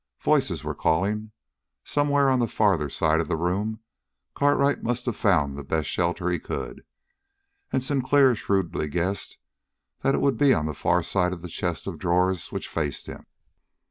Voices were calling. Somewhere on the farther side of the room Cartwright must have found the best shelter he could, and Sinclair shrewdly guessed that it would be on the far side of the chest of drawers which faced him.